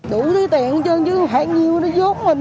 đủ cái tiền hết trơn chứ khoảng nhiều nó dốt mình